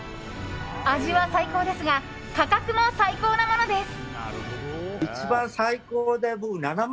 味は最高ですが価格も最高なものです！